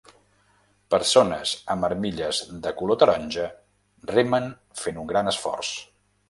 Persones amb armilles de color taronja remen fent un gran esforç.